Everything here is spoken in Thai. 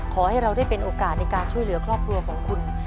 ขอให้เราได้เป็นโอกาสในการช่วยเหลือครอบครัวของคุณ